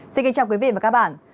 xin kính chào quý vị và các bạn